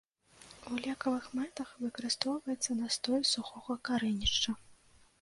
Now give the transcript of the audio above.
У лекавых мэтах выкарыстоўваецца настой з сухога карэнішча.